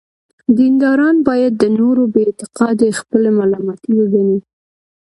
دینداران باید د نورو بې اعتقادي خپله ملامتي وګڼي.